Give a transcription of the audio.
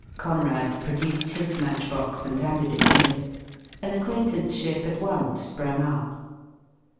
Conrad produced his match box and handed it to him. An acquaintanceship at once sprang up.